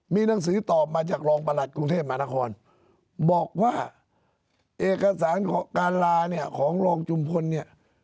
มีหนังสือตอบมาจากรองประหลัดกรุงเทพมหานครบอกว่าเอกสารการลาเนี่ยของรองจุมพลเนี่ย